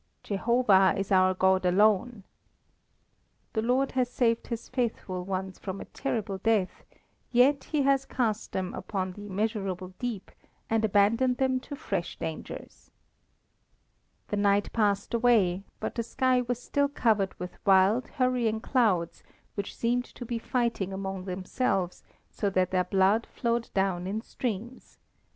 "Jehovah is our God alone." The Lord has saved His faithful ones from a terrible death, yet He has cast them upon the immeasurable deep, and abandoned them to fresh dangers. The night passed away, but the sky was still covered with wild, hurrying clouds which seemed to be fighting among themselves so that their blood flowed down in streams.